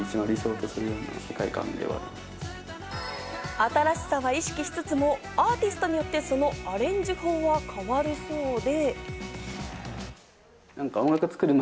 新しさは意識しつつも、アーティストによってそのアレンジ法は変わるそうで。